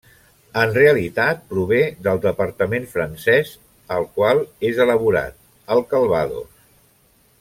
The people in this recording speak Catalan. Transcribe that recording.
En realitat prové del departament francès al qual és elaborat, el Calvados.